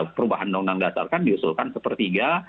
perubahan undang undang dasar kan diusulkan sepertiga